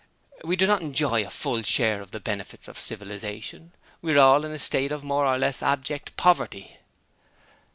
We do not enjoy a full share of the benefits of civilization we are all in a state of more or less abject poverty.'